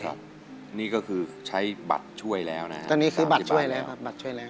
อเจมส์นี่ก็คือใช้บัตรช่วยแล้วนะครับอเจมส์ตอนนี้คือบัตรช่วยแล้วบัตรช่วยแล้ว